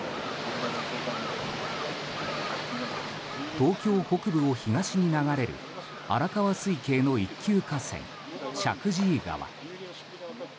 東京北部を東に流れる荒川水系の一級河川、石神井川。